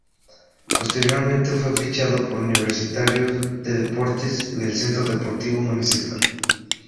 Posteriormente, fue fichado por Universitario de Deportes y del Centro Deportivo Municipal.